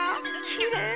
きれい。